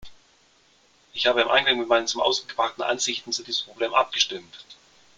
Ich habe im Einklang mit meinen zum Ausdruck gebrachten Ansichten zu diesem Problem abgestimmt.